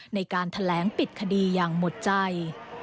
ในการแถลงปิดคดีอย่างหมดใจ